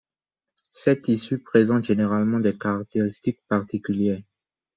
Ces tissus présentent généralement des caractéristiques particulières.